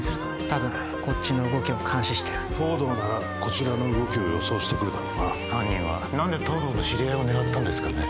たぶんこっちの動きを監視してる・東堂ならこちらの動きを予想してくるだろうな犯人は何で東堂の知り合いを狙ったんですかね？